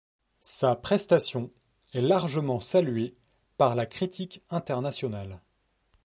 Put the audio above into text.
Sa prestation est largement saluée par la critique internationale.